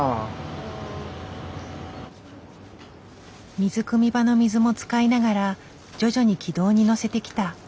水くみ場の水も使いながら徐々に軌道に乗せてきた。